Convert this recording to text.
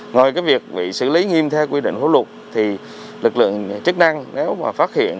ngoài việc bị xử lý nghiêm theo quy định phối hợp lục thì lực lượng chức năng nếu mà phát hiện